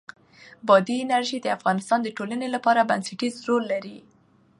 بادي انرژي د افغانستان د ټولنې لپاره بنسټيز رول لري.